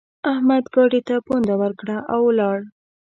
احمد ګاډي ته پونده ورکړه؛ او ولاړ.